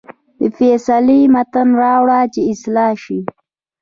د فیصلې متن راوړه چې اصلاح شي.